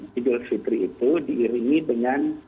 idul fitri itu diiringi dengan